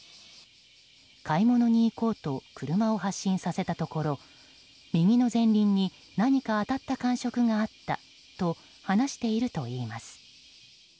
買い物に行こうと車を発進させたところ右の前輪に何か当たった感触があったと話しているといいます。